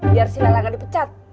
biar si lela nggak dipecat